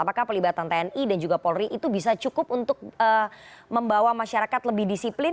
apakah pelibatan tni dan juga polri itu bisa cukup untuk membawa masyarakat lebih disiplin